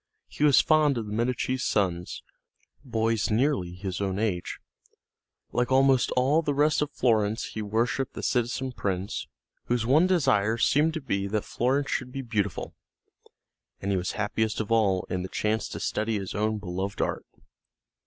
He was fond of the Medici's sons, boys nearly his own age; like almost all the rest of Florence he worshiped the citizen prince whose one desire seemed to be that Florence should be beautiful; and he was happiest of all in the chance to study his own beloved art.